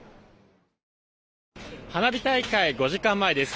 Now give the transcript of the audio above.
花火大会５時間前です。